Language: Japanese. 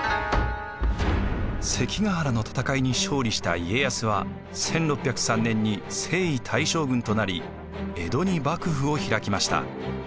関ヶ原の戦いに勝利した家康は１６０３年に征夷大将軍となり江戸に幕府を開きました。